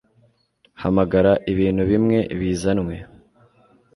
hamagara ibintu bimwe bizanwe